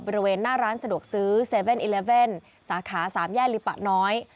บริเวณหน้าร้านสะดวกซื้อ๗๑๑สาขา๓แย่ลิปะน้อย